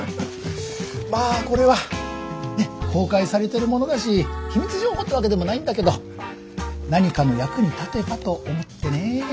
まあこれはねえ公開されてるものだし秘密情報ってわけでもないんだけど何かの役に立てばと思ってね。